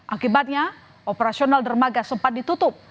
akibatnya operasional dermaga sempat ditutup